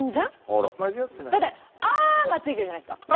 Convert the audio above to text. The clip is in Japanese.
だって「あ」が付いてるじゃないですか